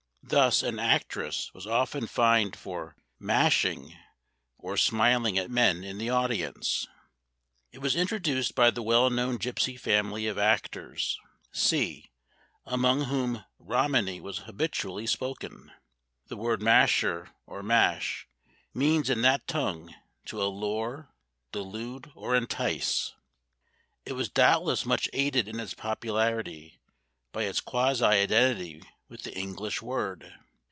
Thus an actress was often fined for "mashing" or smiling at men in the audience. It was introduced by the well known gypsy family of actors, C., among whom Romany was habitually spoken. The word "masher" or "mash" means in that tongue to allure, delude, or entice. It was doubtless much aided in its popularity by its quasi identity with the English word.